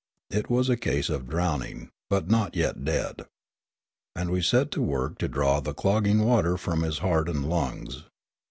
It was a case of drowning, but not yet dead. And we set to work to draw the clogging water from his heart and lungs.